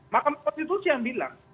mahkamah konstitusi yang bilang